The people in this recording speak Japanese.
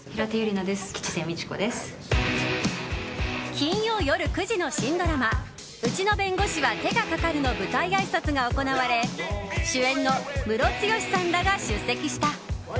金曜夜９時の新ドラマ「うちの弁護士は手がかかる」の舞台あいさつが行われ主演のムロツヨシさんらが出席した。